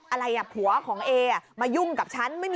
อะไรอ่ะผัวของเอมายุ่งกับฉัน